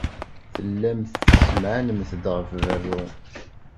Tellamt tessemɛanemt-d ɣef berru.